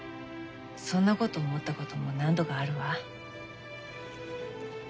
そんなこと思ったことも何度かあるわ。